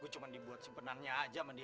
gue cuma dibuat simpenannya aja mandi